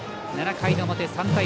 ７回の表、３対０。